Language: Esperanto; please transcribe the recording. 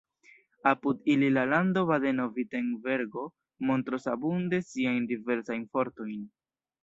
Apud ili la lando Badeno-Virtenbergo montros abunde siajn diversajn fortojn.